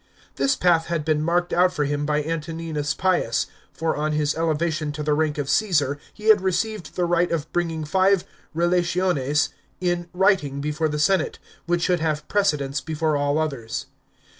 This path had been marked out f.r him by Antoninus Pius, for on his elevation to the rank of Ceesar, he had received the ri ht of bringing five relationes in writing before the senate, which should have precedence before ah others.